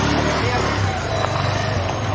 นี้ใช่ขนาดนั้น